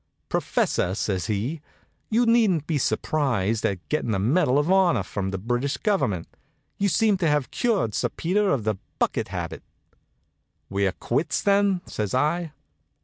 "Professor," says he, "you needn't be surprised at getting a medal of honor from the British Government. You seem to have cured Sir Peter of the bucket habit." "We're quits, then," says I.